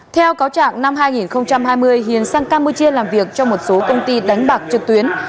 theo cáo trạng năm hai nghìn hai mươi hiền sang campuchia làm việc trong một số công ty đánh bạc trực tuyến